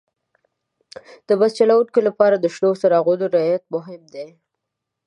د بس چلوونکي لپاره د شنو څراغونو رعایت مهم دی.